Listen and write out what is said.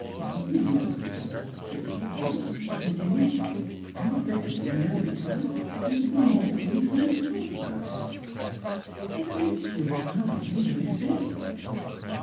"We know each other pretty well," he continued, "and the better we know each other, the more we find to talk about. It's a very good sign don't you think?